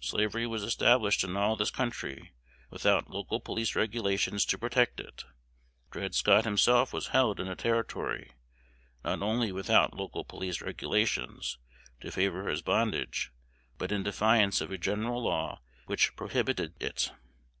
Slavery was established in all this country, without "local police regulations" to protect it. Dred Scott himself was held in a Territory, not only without "local police regulations" to favor his bondage, but in defiance of a general law which prohibited it.